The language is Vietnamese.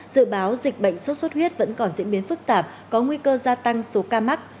dự báo dịch bệnh sốt xuất huyết vẫn còn diễn biến phức tạp có nguy cơ gia tăng số ca mắc